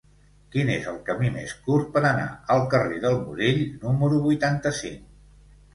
Quin és el camí més curt per anar al carrer del Morell número vuitanta-cinc?